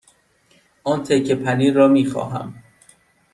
آن تکه پنیر را می خواهم.